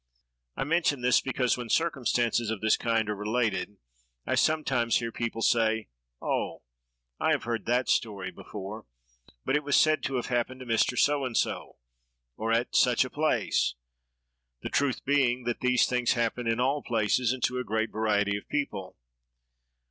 I mention this because, when circumstances of this kind are related, I sometimes hear people say, "Oh, I have heard that story before, but it was said to have happened to Mr. So and so, or at such a place;" the truth being, that these things happen in all places and to a great variety of people.